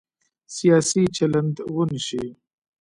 سیاسي چلند ونه شي.